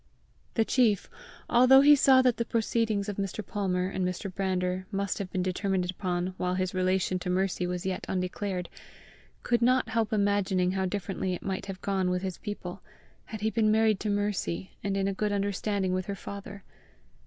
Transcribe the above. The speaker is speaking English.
The chief, although he saw that the proceedings of Mr. Palmer and Mr. Brander must have been determined upon while his relation to Mercy was yet undeclared, could not help imagining how differently it might have gone with his people, had he been married to Mercy, and in a good understanding with her father.